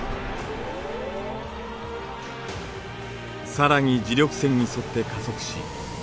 更に磁力線に沿って加速し磁極